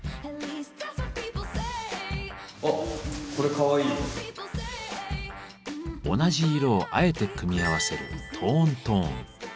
あっ同じ色をあえて組み合わせる「トーントーン」。